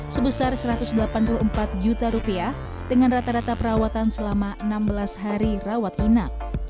sebesar rp satu ratus delapan puluh empat juta rupiah dengan rata rata perawatan selama enam belas hari rawat inap